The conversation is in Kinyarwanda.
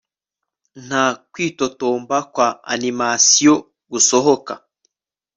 Nta kwitotomba kwa animasiyo gusohoka